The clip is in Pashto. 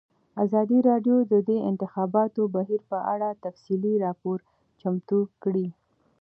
ازادي راډیو د د انتخاباتو بهیر په اړه تفصیلي راپور چمتو کړی.